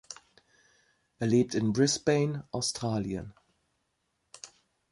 Er lebt in Brisbane, Australien.